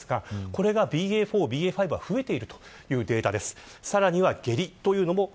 これがＢＡ．４、ＢＡ．５では増えているというデータです。